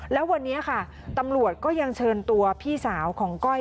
แล้ววันนี้ค่ะตำรวจก็ยังเชิญตัวพี่สาวของก้อย